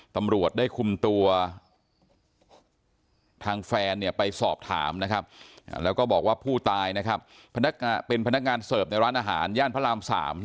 ตำรวจได้คุมตัวทางแฟนไปสอบถามนะครับแล้วก็บอกว่าผู้ตายนะครับเป็นพนักงานเสิร์ฟในร้านอาหารย่านพระราม๓